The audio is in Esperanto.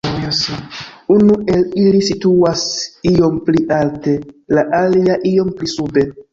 Unu el ili situas iom pli alte, la alia iom pli sube.